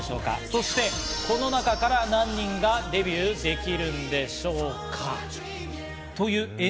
そしてこの中から何人がデビューできるんでしょうか？という